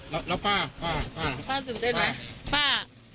แล้วป้าป้าตื่นเต้นไหม